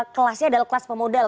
kelasnya adalah kelas pemodel